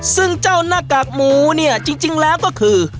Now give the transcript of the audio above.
ซึ่งเจ้าหน้ากากหมูเนี่ยจริงแล้วก็คือ